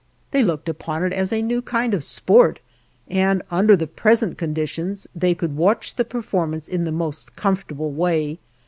They looked upon it as a new kind of sport, and under the present conditions they could watch the performance in the most comfortable way.